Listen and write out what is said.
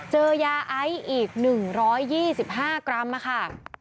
เจอยาไอซ์อีก๑๒๕กรัมค่ะ